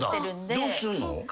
どうすんの？